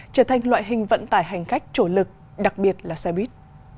trở thành loại hình vận tải hành khách chủ lực đặc biệt là xe buýt